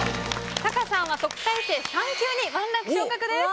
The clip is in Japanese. タカさんは特待生３級に１ランク昇格です。